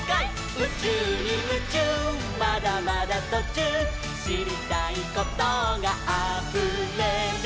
「うちゅうにムチューまだまだとちゅう」「しりたいことがあふれる」